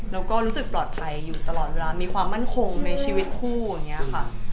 แล้วก็รู้สึกปลอดภัยอยู่ตลอดเวลามีความมั่นคงในชีวิตคู่อย่างนี้ค่ะ